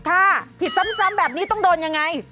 ถ้าผิดซ้ำแบบนี้ต้องโดนยังไง